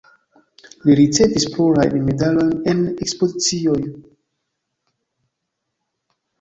Li ricevis plurajn medalojn en ekspozicioj.